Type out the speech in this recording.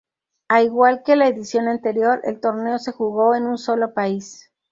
A igual que la edición anterior, el torneo se jugó en un solo país.